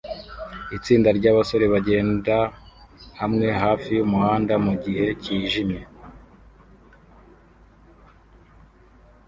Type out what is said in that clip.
Itsinda ryabasore bagenda hamwe hafi yumuhanda mugihe cyijimye